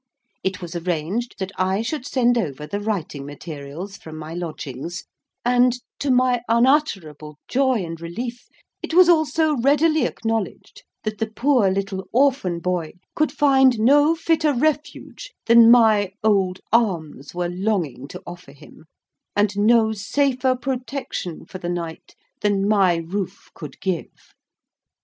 It was arranged that I should send over the writing materials from my lodgings; and, to my unutterable joy and relief, it was also readily acknowledged that the poor little orphan boy could find no fitter refuge than my old arms were longing to offer him, and no safer protection for the night than my roof could give.